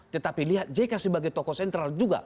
tetapi lihat jk sebagai tokoh sentral juga